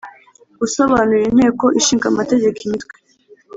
gusobanurira Inteko Ishinga Amategeko Imitwe